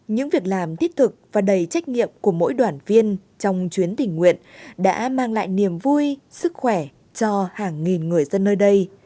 những việc làm thiết thực và đầy trách nhiệm của mỗi đoàn viên trong chuyến tình nguyện đã mang lại niềm vui sức khỏe cho hàng nghìn người dân nơi đây